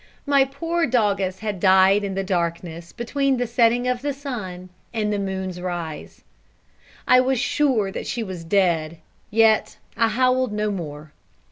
The poor doggess had died in the darkness between the setting of the sun and the moon's rise. I was sure that she was dead, yet I howled no more.